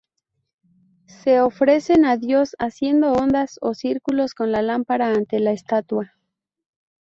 Se ofrecen a Dios haciendo ondas o círculos con la lámpara ante la estatua.